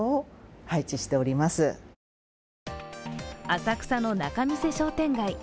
浅草の仲見世商店街。